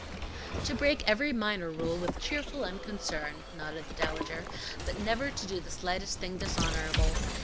"To break every minor rule with cheerful unconcern," nodded the Dowager, "but never to do the slightest thing dishonorable.